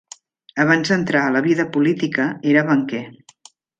Abans d'entrar a la vida política, era banquer.